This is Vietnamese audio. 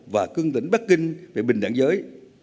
và cương tỉnh bắc kinh về bình đẳng giới